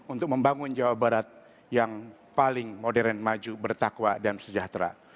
untuk membangun jawa barat yang paling modern maju bertakwa dan sejahtera